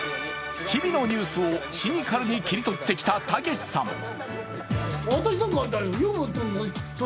日々のニュースをシニカルに切り取ってきたたけしさん。